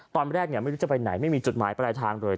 ตอนแรกไม่รู้จะไปไหนไม่มีจุดหมายปลายทางเลย